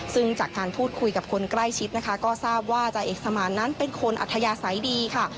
ซึ่งจากการพูดคุยกับคนใกล้ชิดนะคะก็ทราบว่าจ่าเอกสมานนั้นเป็นคนอัธยาศัยดีค่ะ